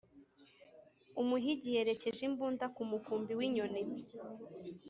umuhigi yerekeje imbunda ku mukumbi w'inyoni.